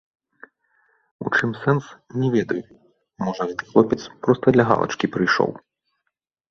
У чым сэнс, не ведаю, можа, гэты хлопец проста для галачкі прыйшоў.